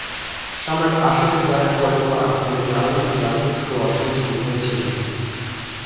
সম্রাট অশোকের দ্বারা কলিঙ্গ আক্রমণের কারণগুলি রাজনৈতিক ও অর্থনৈতিক উভয়ই ছিল।